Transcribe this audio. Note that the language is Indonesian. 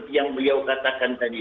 tidak ada masalah